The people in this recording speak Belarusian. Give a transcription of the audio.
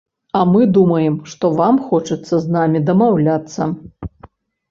А мы думаем, што вам хочацца з намі дамаўляцца.